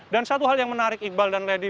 dan satu hal yang menarik iqbal dan lady